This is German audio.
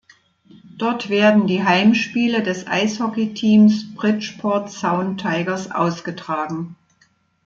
Dort werden die Heimspiele des Eishockeyteams Bridgeport Sound Tigers ausgetragen.